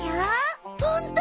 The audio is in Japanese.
ホント！？